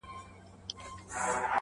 چي کرې، هغه به رېبې.